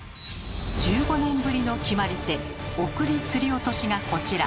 １５年ぶりの決まり手「送り吊り落とし」がこちら。